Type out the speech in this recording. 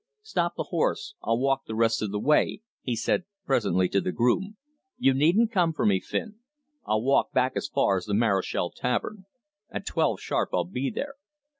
"Stop the horse. I'll walk the rest of the way," he said presently to the groom. "You needn't come for me, Finn; I'll walk back as far as the Marochal Tavern. At twelve sharp I'll be there.